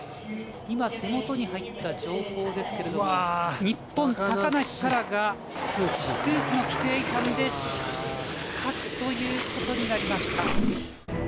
今、手元に入った情報ですけれども、日本、高梨沙羅が、スーツの規定違反で失格ということになりました。